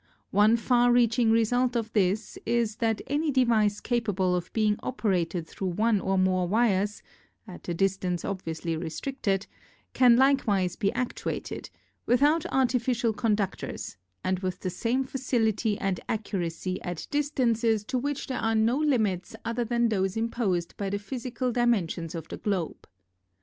One far reaching result of this is that any device capable of being operated thru one or more wires (at a distance obviously restricted) can likewise be actuated, without artificial conductors and with the same facility and accuracy, at dis tances to which there are no limits other than those imposed by the physical dimensions of the Globe.